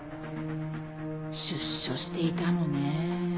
出所していたのね。